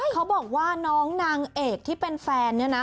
เขาบอกว่าน้องนางเอกที่เป็นแฟนเนี่ยนะ